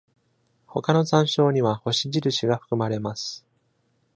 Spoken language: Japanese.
他の参照には星印が含まれます。